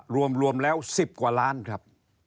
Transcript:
รวมแล้ว๑๐กว่าล้านครับ